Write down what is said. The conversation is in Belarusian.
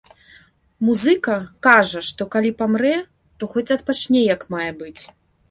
Музыка кажа, што калі памрэ, то хоць адпачне як мае быць.